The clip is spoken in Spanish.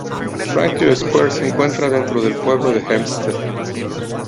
Franklin Square se encuentra dentro del pueblo de Hempstead.